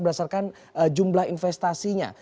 berdasarkan jumlah investasinya